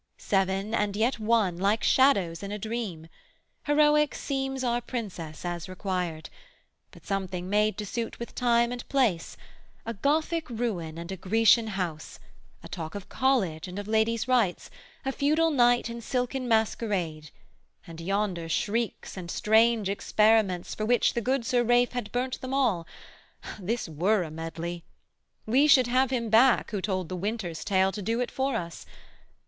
Seven and yet one, like shadows in a dream. Heroic seems our Princess as required But something made to suit with Time and place, A Gothic ruin and a Grecian house, A talk of college and of ladies' rights, A feudal knight in silken masquerade, And, yonder, shrieks and strange experiments For which the good Sir Ralph had burnt them all This were a medley! we should have him back Who told the "Winter's tale" to do it for us.